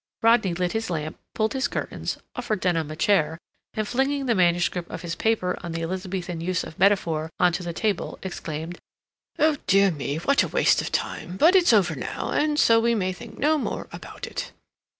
Rodney lit his lamp, pulled his curtains, offered Denham a chair, and, flinging the manuscript of his paper on the Elizabethan use of Metaphor on to the table, exclaimed: "Oh dear me, what a waste of time! But it's over now, and so we may think no more about it."